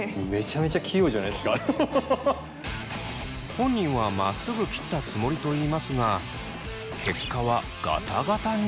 本人はまっすぐ切ったつもりと言いますが結果はガタガタに。